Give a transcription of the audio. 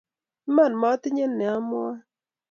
iman motinye nee amwoe